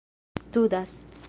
studas